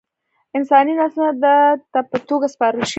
انساني نسلونه ده ته په توګه سپارل شوي.